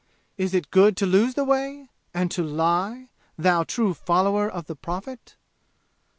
Is it good to lose the way, and to lie, thou true follower of the Prophet?"